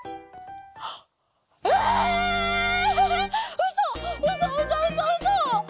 うそうそうそうそうそ！？